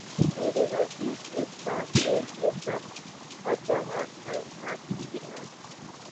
میرے نزدیک اس کام کے لیے چند اقدامات ناگزیر ہیں۔